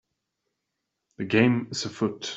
The game is afoot